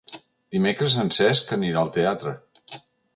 Dimecres en Cesc anirà al teatre.